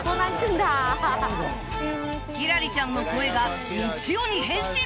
輝星ちゃんの声がみちおに変身！